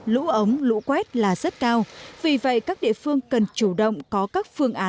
lũ ống lũ quét là rất cao vì vậy các địa phương cần chủ động có các phương án